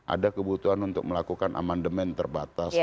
ada kebutuhan untuk melakukan amandemen terbatas